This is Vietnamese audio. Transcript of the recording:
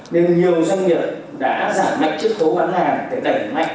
nên nhiều doanh nghiệp đã giảm mạnh chiếc khấu bán hàng để đẩy mạnh